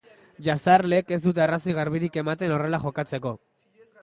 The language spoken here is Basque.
Jazarleek ez dute arrazoi garbirik ematen horrela jokatzeko.